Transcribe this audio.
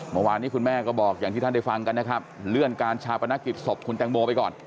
เมื่อวานนี้คุณแม่ก็บอกอย่างที่ท่านได้ฟังกันนะครับเลื่อนการชาปนกิจศพคุณแตงโมไปก่อน